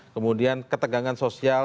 kemudian ketegangan sosial